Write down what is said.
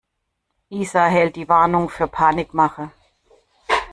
Isa hält die Warnungen für Panikmache.